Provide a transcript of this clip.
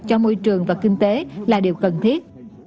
cho môi trường và kinh tế là điều cần thiết